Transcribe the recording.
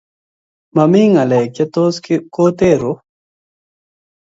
Mami ngalek che tos kotero.